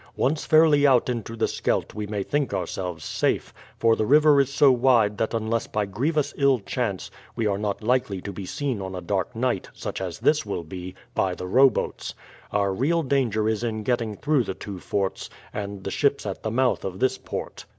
Once fairly out into the Scheldt we may think ourselves safe, for the river is so wide that unless by grievous ill chance we are not likely to be seen on a dark night, such as this will be, by the rowboats. Our real danger is in getting through the two forts, and the ships at the mouth of this port.